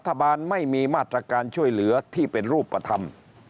รัฐบาลไม่มีมาตรการช่วยเหลือที่เป็นรูปธรรม